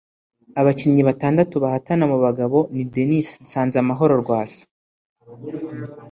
abakinnyi batandatu bahatana mu bagabo ni Denis Nsanzamahoro (Rwasa)